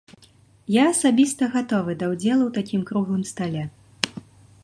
Я асабіста гатовы да ўдзелу ў такім круглым стале.